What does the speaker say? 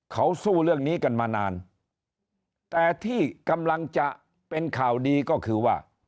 เขาสู้เรื่องนี้กันมานานแต่ที่กำลังจะเป็นข่าวดีก็คือว่า